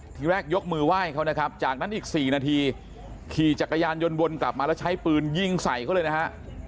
ทีแรกยกมือไหว้เขานะครับจากนั้นอีก๔นาทีขี่จักรยานยนต์วนกลับมาแล้วใช้ปืนยิงใส่เขาเลยนะฮะ